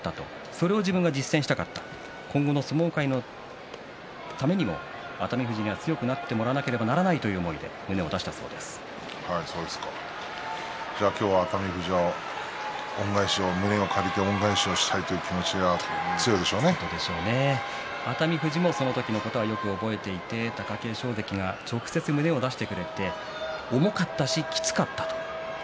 それを自分が実践したかった今後の相撲界のためにも熱海富士は強くなってもらわなければならないという思いでそうですかじゃあ今日は熱海富士は胸を借りた恩返しをしたいという熱海富士もその時のことはよく覚えていて貴景勝関が直接、胸を出してくれて重かったしきつかったと。